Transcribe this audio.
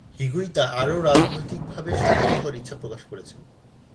হিগুইতা আরো রাজনৈতিক ভাবে সক্রিয় হওয়ার ইচ্ছা প্রকাশ করেছেন।